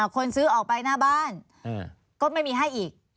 คนซื้อออกไปหน้าบ้านก็ไม่มีให้อีก